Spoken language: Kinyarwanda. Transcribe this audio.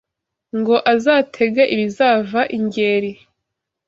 Ngo azatege ibizava i Ngeri